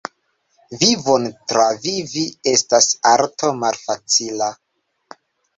Vivon travivi estas arto malfacila.